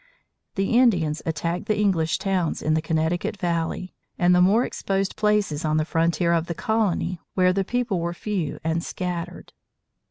The Indians attacked the English towns in the Connecticut Valley, and the more exposed places on the frontier of the colony where the people were few and scattered.